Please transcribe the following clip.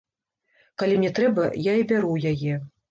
Калі мне трэба, я і бяру ў яе.